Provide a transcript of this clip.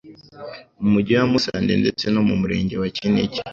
Mu Mugi wa Musanze ndetse no mu Murenge wa Kinigi